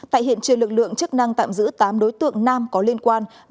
tại hiện trường lực lượng chức năng tạm giữ tám đối tượng nam có liên quan